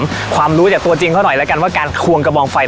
ความรู้จากตัวจริงเขาหน่อยแล้วกันว่าการควงกระบองไฟ